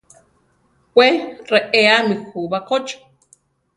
Wé reéami jú bakóchi.